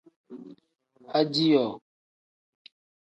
Ajihoo.